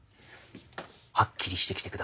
はっきりしてきてください。